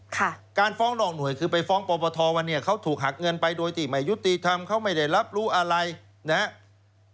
การฟ้องนอกหน่วยคือไปฟ้องปปทว่าเนี่ยเขาถูกหักเงินไปโดยที่ไม่ยุติธรรมเขาไม่ได้รับรู้อะไรนะครับ